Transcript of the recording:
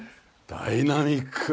ダイナミック。